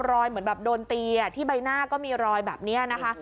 เหมือนแบบโดนตีที่ใบหน้าก็มีรอยแบบนี้นะคะ